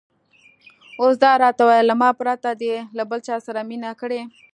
اوس دا راته ووایه، له ما پرته دې له بل چا سره مینه کړې؟